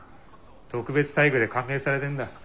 特別待遇で歓迎されてんだ。